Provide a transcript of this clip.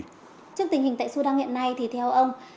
trước tình hình tại sudan hiện nay thì theo ông